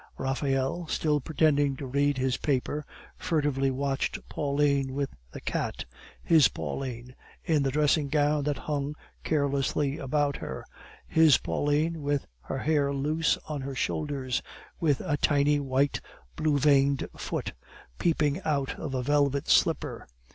Raphael, still pretending to read his paper, furtively watched Pauline with the cat his Pauline, in the dressing gown that hung carelessly about her; his Pauline, with her hair loose on her shoulders, with a tiny, white, blue veined foot peeping out of a velvet slipper.